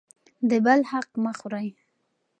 د بل حق مه خورئ.